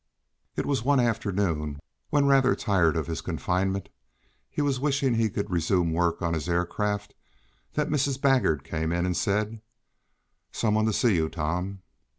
It was one afternoon, when, rather tired of his confinement, he was wishing he could resume work on his air craft, that Mrs. Baggert came in, and said: "Some one to see you, Tom."